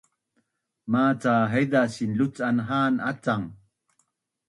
Maca haiza sinluc’an ha’an acang